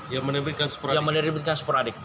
yang menerbitkan sepuluh adik